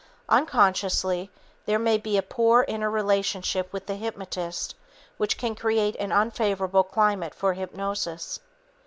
Unconsciously, there may be a poor interrelationship with the hypnotist which can create an unfavorable climate for hypnosis.